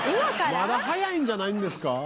まだ早いんじゃないんですか？